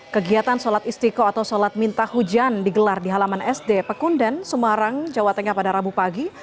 kegiatan sholat istiqo atau sholat minta hujan digelar di halaman sd pekunden semarang jawa tengah pada rabu pagi